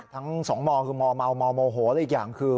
ทั้ง๒มอเมามอโมโมโหและอีกอย่างคือ